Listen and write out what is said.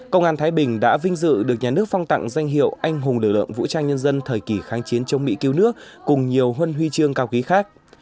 công an thái bình đã vinh dự được nhà nước phong tặng danh hiệu anh hùng lực lượng vũ trang nhân dân thời kỳ kháng chiến chống mỹ cứu nước cùng nhiều huân huy chương cao quý khác